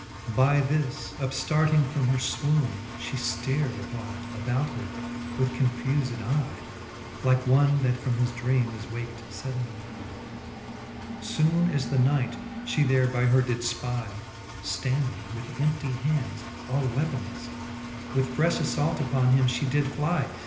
By this upftarting from her fwoone, (he ftar'd A while about her with confufed eye j Like one, that from his drcame is waken fuddenlye. XIV. Soone as the knight fhe there by her did fpy, Standing with emptie hands all weaponlefle. With frefh afiault upon him fhe did fly.